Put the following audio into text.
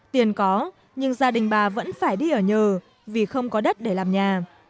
tiền có nhưng gia đình bà vẫn phải đi ở nhờ vì không có đất để làm nhà